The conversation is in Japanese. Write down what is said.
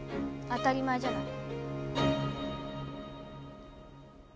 当たり前じゃない。